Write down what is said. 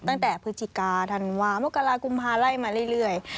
ตั้งแต่พฤศจิกาธันวามกรากุมภาไล่มาเรื่อย